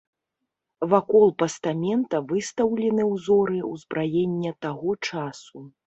Вакол пастамента выстаўлены ўзоры ўзбраення таго часу.